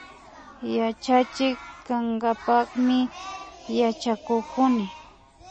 Yachachik kankapakmi yachakukuni